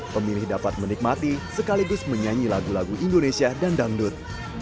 pemilih dapat menikmati sekaligus menyanyi lagu lagu indonesia dan dangdut